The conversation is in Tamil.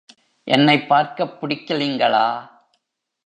என்னைப் பார்க்கப் புடிக்கிலிங்களா?